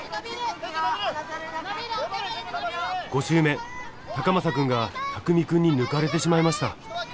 ５周目崇真くんが拓美くんに抜かれてしまいました。